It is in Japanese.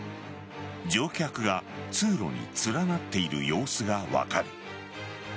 乗客が通路に連なっている様子が分かる。